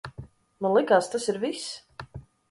Man likās, tas ir viss.